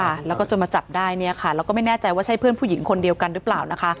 ค่ะแล้วก็จนมาจับได้เนี่ยค่ะแล้วก็ไม่แน่ใจว่าใช่เพื่อนผู้หญิงคนเดียวกันหรือเปล่านะคะ